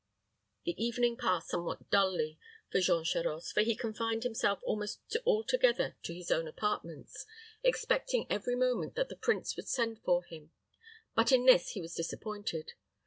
The evening passed somewhat dully for Jean Charost, for he confined himself almost altogether to his own apartments, expecting every moment that the prince would send for him; but in this he was disappointed.